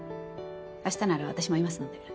あしたなら私もいますので。